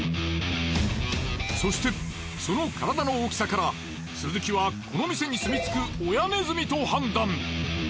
そしてその体の大きさから鈴木はこの店に住みつく親ネズミと判断。